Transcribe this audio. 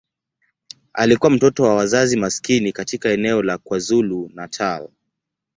Alikuwa mtoto wa wazazi maskini katika eneo la KwaZulu-Natal.